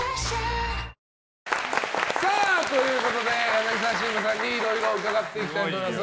⁉柳沢慎吾さんにいろいろ伺っていきたいと思います。